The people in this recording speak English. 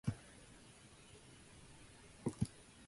I just figured if I had only one opportunity to win, this was it.